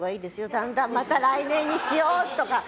だんだん、また来年にしようとか。